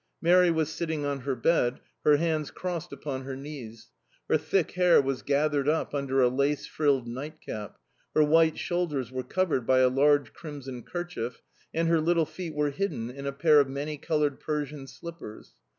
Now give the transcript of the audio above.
Mary was sitting on her bed, her hands crossed upon her knees; her thick hair was gathered up under a lace frilled nightcap; her white shoulders were covered by a large crimson kerchief, and her little feet were hidden in a pair of many coloured Persian slippers.